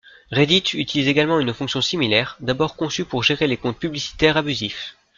Reddit utilise également une fonction similaire, d'abord conçue pour gérer les comptes publicitaires abusifs.